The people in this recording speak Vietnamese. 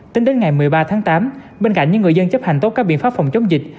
tính đến ngày một mươi ba tháng tám bên cạnh những người dân chấp hành tốt các biện pháp phòng chống dịch